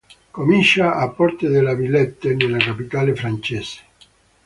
Comincia a Porte de la Villette nella capitale francese.